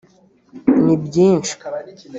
ni byinshi